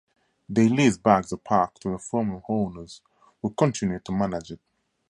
They leased back the park to the former owners, who continued to manage it.